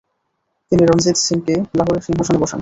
তিনি রণজিৎ সিংকে লাহোরের সিংহাসনে বসান।